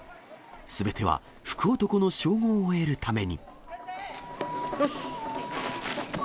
すべては福男の称号を得るために。